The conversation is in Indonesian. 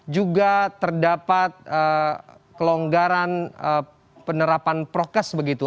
juga terdapat kelonggaran penerapan prokes begitu